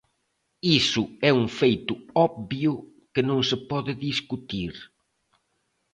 Iso é un feito obvio que non se pode discutir.